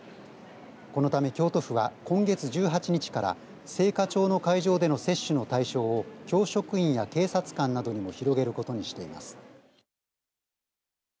このため京都府は今月１８日から精華町の会場での接種の対象を教職員や警察官などにも広げることにしています。